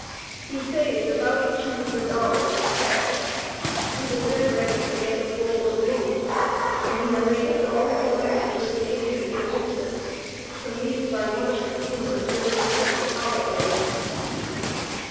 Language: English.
He saved about two hundred dollars in cash; he was then ready to make a forward move, and he arranged all his plans with an agent in Richmond to leave by one of the steamers during the Christmas holidays.